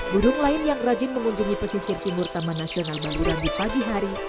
burung lain yang rajin mengunjungi pesisir timur taman nasional madura di pagi hari